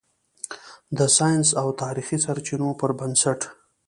د "ساینسي او تاریخي سرچینو" پر بنسټ